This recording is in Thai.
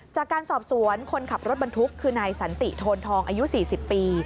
จากการสอบสวนคนขับรถบรรทุกคือนายสันติโทนทองอายุ๔๐ปี